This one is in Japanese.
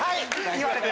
言われた。